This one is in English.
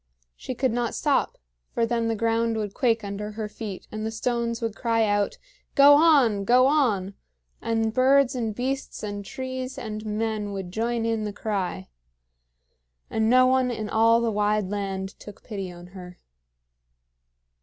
She could not stop, for then the ground would quake under her feet, and the stones would cry out, "Go on! go on!" and birds and beasts and trees and men would join in the cry; and no one in all the wide land took pity on her.